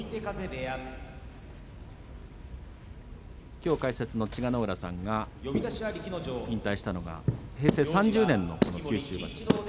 きょう解説の千賀ノ浦さんが引退したのが平成３０年の九州場所。